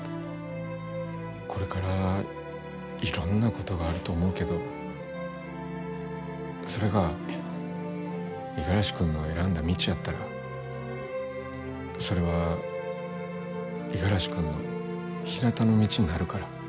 これから、いろんなことがあると思うけどそれが、五十嵐君の選んだ道やったらそれは五十嵐君のひなたの道になるから。